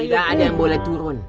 tidak ada yang boleh turun